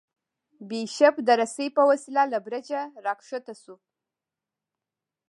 بیشپ د رسۍ په وسیله له برجه راکښته شو.